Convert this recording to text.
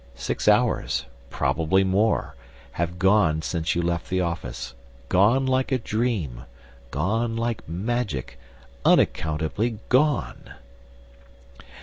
Six hours, probably more, have gone since you left the office gone like a dream, gone like magic, unaccountably gone!